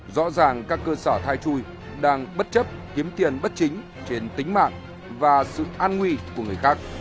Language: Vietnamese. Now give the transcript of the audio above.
rõ ràng các cơ sở thai chui đang bất chấp kiếm tiền bất chính trên tính mạng và sự an nguy của người khác